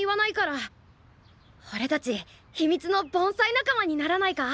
おれたち秘密の盆栽仲間にならないか？